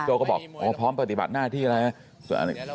ก็บอกอ๋อพร้อมปฏิบัติหน้าที่อะไรนะ